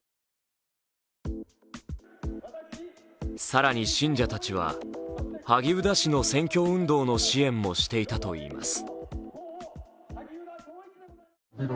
更に、信者たちは萩生田氏の選挙運動の支援もしていたといいます。